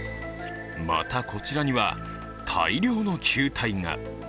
また、こちらには大量の球体が。